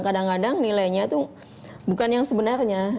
kadang kadang nilainya itu bukan yang sebenarnya